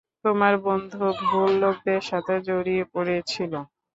তোমার বন্ধু ভুল লোকদের সাথে জড়িয়ে পড়েছিল।